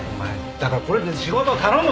だからこれ仕事頼む。